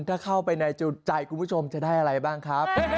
ถ้าเข้าไปในใจคุณผู้ชมจะได้อะไรบ้างครับ